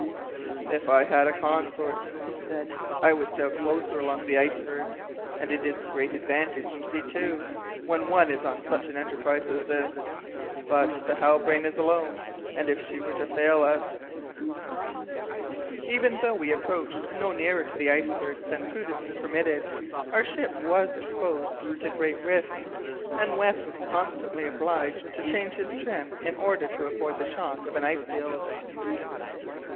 "If I had a consort," he said, "I would sail closer along the icebergs, and it is a great advantage to be two, when one is on such an enterprise as this! But the Halbrane is alone, and if she were to fail us " [Illustration: Four sailors at the oars, and one at the helm.] Even though we approached no nearer to the icebergs than prudence permitted, our ship was exposed to great risk, and West was constantly obliged to change his trim in order to avoid the shock of an icefield.